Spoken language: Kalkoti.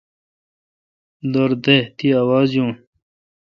دور دا تی آواز یون۔